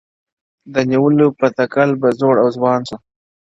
د نيولو په تكل به زوړ او ځوان سو-